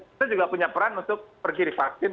kita juga punya peran untuk pergi di vaksin